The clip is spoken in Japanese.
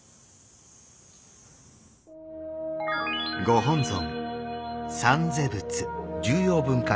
ご本尊